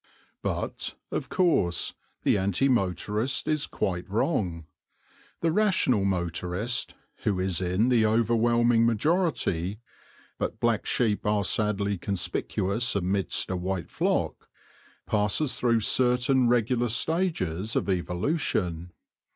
But, of course, the anti motorist is quite wrong. The rational motorist, who is in the overwhelming majority but black sheep are sadly conspicuous amidst a white flock passes through certain regular stages of evolution.